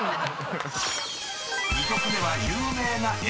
［２曲目は有名な］